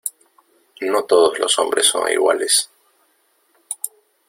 no todos los hombres son iguales...